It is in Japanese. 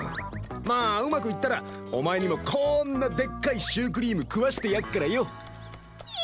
まあうまくいったらお前にもこんなでっかいシュークリーム食わしてやっからよ！